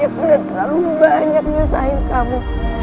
aku udah terlalu banyak nyusahin kamu